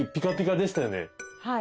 はい。